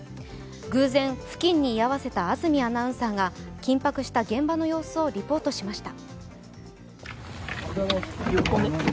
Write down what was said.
偶然、付近に居合わせた安住アナウンサーが緊迫した現場の様子をリポートしました。